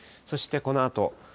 そしてこのあと。